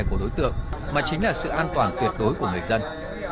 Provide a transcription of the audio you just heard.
của đối tượng mà chính là sự an toàn tuyệt đối của người dân